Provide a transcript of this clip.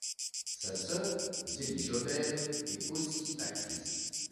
Sa sœur, Zélie Jobert, est aussi actrice.